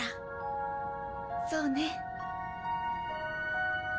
そうね。